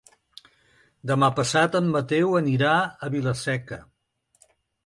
Demà passat en Mateu anirà a Vila-seca.